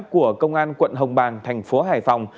của công an quận hồng bàng thành phố hải phòng